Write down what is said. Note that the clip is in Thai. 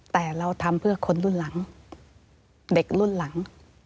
แต่เราทำเพื่อคนรุ่นหลังเด็กรุ่นหลัง